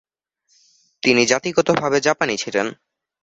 তিনি জাতিগতভাবে জাপানি ছিলেন।